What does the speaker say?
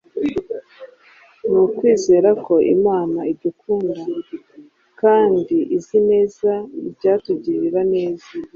ni ukwizera ko Imana idukunda kandi ko izi neza ibyatugirira neza.